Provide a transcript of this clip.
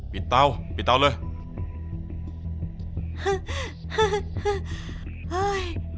เตาปิดเตาเลย